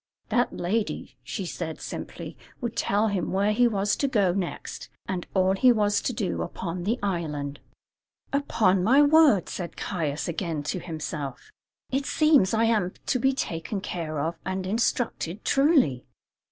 That lady, said she simply, would tell him where he was to go next, and all he was to do upon the island. "Upon my word!" said Caius again to himself, "it seems I am to be taken care of and instructed, truly."